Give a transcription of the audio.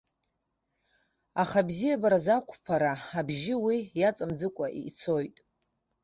Аха абзиабараз ақәԥара абжьы уи иаҵамӡыкәа ицоит.